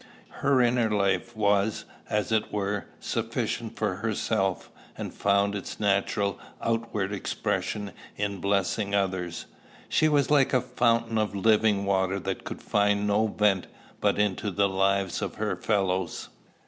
Her inner life was, as it were, sufficient for herself, and found its natural outward expression in blessing others. She was like a fountain of living water that could find no vent but into the lives of her fellows.